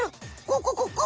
ここここ！